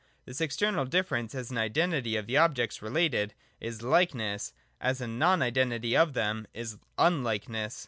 This external difference, as an identity of the objects related, is Like ness ; as a non identity of them, is Unlikeness.